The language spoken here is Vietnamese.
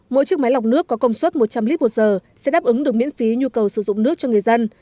mỗi chiếc máy lọc nước có công suất một trăm linh lít một giờ sẽ đáp ứng được miễn phí nhu cầu sử dụng nước cho người dân